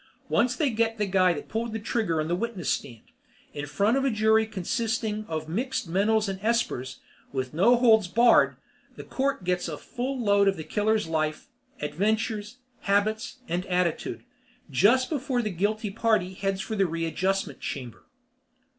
Once they get the guy that pulled the trigger on the witness stand, in front of a jury consisting of mixed mentals and espers, with no holds barred, the court record gets a full load of the killer's life, adventures, habits, and attitude; just before the guilty party heads for the readjustment chamber.